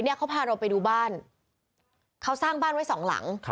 เขาพาเราไปดูบ้านเขาสร้างบ้านไว้สองหลัง